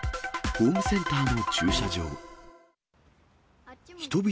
ホームセンターの駐車場。